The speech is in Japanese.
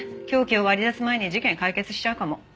凶器を割り出す前に事件解決しちゃうかも。